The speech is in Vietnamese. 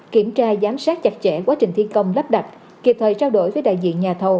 kiểm tra giám sát chặt chẽ quá trình thi công lắp đặt kịp thời trao đổi với đại diện nhà thầu